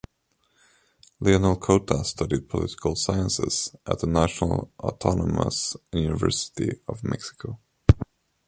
Leonel Cota studied political sciences at the National Autonomous University of Mexico.